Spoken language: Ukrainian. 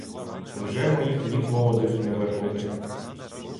Вже моїх літ молодих не вернути!